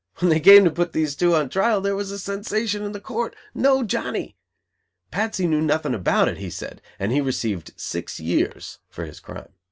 When they came to put these two on trial there was a sensation in Court. No Johnny! Patsy knew nothing about it, he said; and he received six years for his crime.